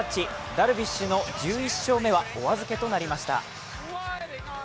ダルビッシュの１１勝目はお預けとなりました。